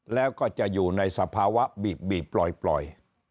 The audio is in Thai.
แล้วก็จะอยู่ในสภาวะบีบบีบปล่อยปล่อย